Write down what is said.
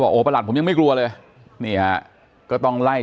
อ๋อเจ้าสีสุข่าวของสิ้นพอได้ด้วย